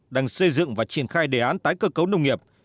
đang xây dựng và triển khai đề án tái cơ cấu nông nghiệp